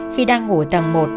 khi đang ngủ ở tầng một